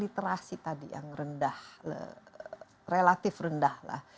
tapi dampak terhadap literasi tadi yang rendah relatif rendah lah